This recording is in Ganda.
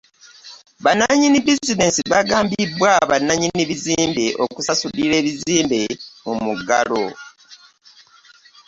bannannyini bizineesi baagambibwa bannannyini bizimbe okusasulira ebizimbe mu muggalo.